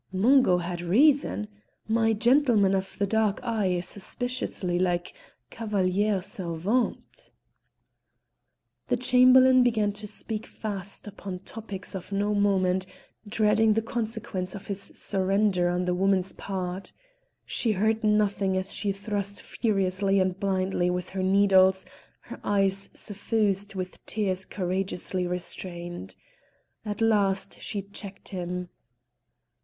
_ Mungo had reason; my gentleman of the dark eye is suspiciously like cavalière servante." The Chamberlain began to speak fast upon topics of no moment, dreading the consequence of this surrender on the woman's part: she heard nothing as she thrust furiously and blindly with her needles, her eyes suffused with tears courageously restrained. At last she checked him.